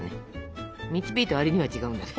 導いた割には違うんだね。